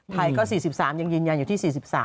ไทยก็๔๓ยังยืนยันอยู่ที่๔๓